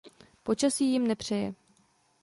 Počasí jim nepřeje.